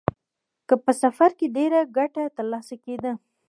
که په سفر کې ډېره ګټه ترلاسه کېده